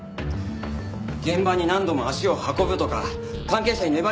現場に何度も足を運ぶとか関係者に粘り強く当たるとか。